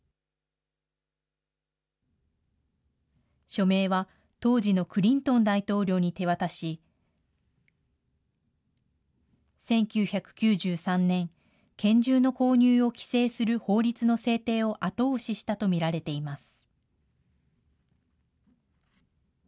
署名は当時のクリントン大統領に手渡し、１９９３年、拳銃の購入を規制する法律の制定を後押ししたと見られています。